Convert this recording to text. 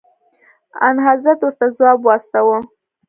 انحضرت ورته ځواب واستوه.